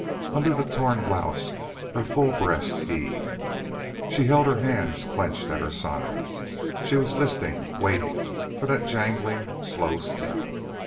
Under the torn blouse her full breast heaved. She held her hands clenched at her sides. She was' listening, waiting for that jangling, slow step.